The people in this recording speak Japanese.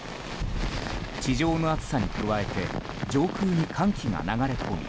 地上の暑さに加えて上空に寒気が流れ込み